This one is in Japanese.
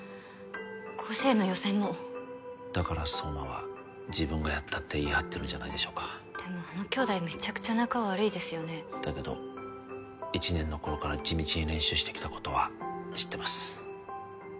甲子園の予選もだから壮磨は自分がやったって言い張ってるんじゃないでしょうかでもあの兄弟メチャクチャ仲悪いですよねだけど１年の頃から地道に練習してきたことは知ってます